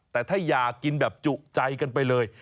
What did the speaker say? แต่ถ้าอยากกินแบบจุใจกันไปเลย